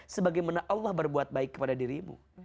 sebagaimana allah berbuat baik kepada dirimu